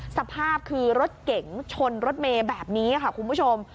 สภาพคือรถเก๋งชนรถเมย์แบบนี้ค่ะคุณผู้ชม